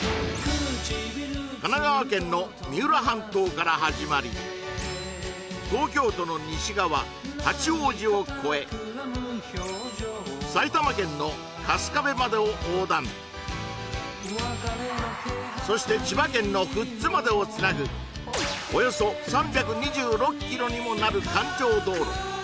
神奈川県の三浦半島から始まり東京都の西側八王子を越え埼玉県の春日部までを横断そして千葉県の富津までをつなぐおよそ３２６ｋｍにもなる環状道路